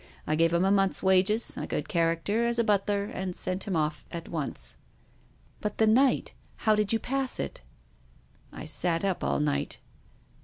I gave him a month's wages, a good character as a but ler, and sent him off at once." " But the night ? How did you pass it ?"" I sat up all night."